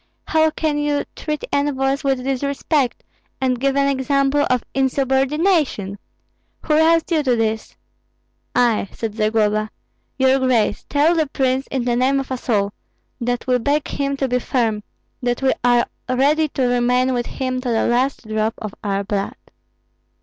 How can you treat envoys with disrespect, and give an example of insubordination? Who roused you to this?" "I," said Zagloba. "Your grace, tell the prince, in the name of us all, that we beg him to be firm, that we are ready to remain with him to the last drop of our blood."